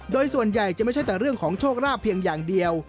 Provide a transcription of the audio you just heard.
โดยส่วนใหญ่จะไม่ใช่แต่เรื่องของโชคราบเพียงอย่างเดียว